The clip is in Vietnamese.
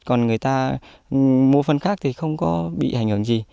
còn người ta mua phân khác thì không có bị hành hưởng gì